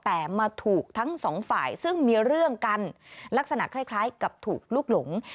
แต่มาถูกทั้งสองฝ่ายซึ่งมีเรื่องกันลักษณะคล้ายกับถูกลุกหลง